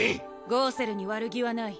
ゴウセルに悪気はない。